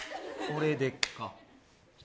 これでっか？